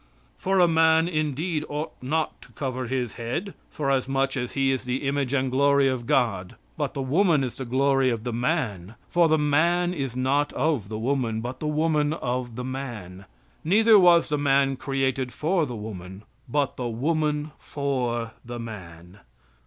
"For a man indeed ought not to cover his head, for as much as he is the image and glory of God; but the woman is the glory of the man. For the man is not of the woman, but woman of the man. Neither was the man created for the woman, but the woman for the man."